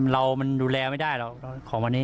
เรามันดูแลไม่ได้หรอกของวันนี้